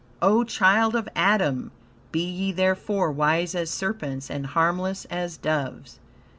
O child of Adam! "Be ye therefore wise as serpents and harmless as doves."